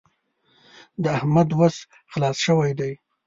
د احمد وس خلاص شوی دی.